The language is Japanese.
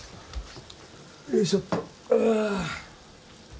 よいしょっとあ。